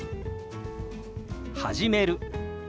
「始める」。